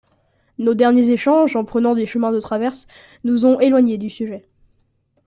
Nos derniers échanges, en prenant des chemins de traverse, nous ont éloignés du sujet.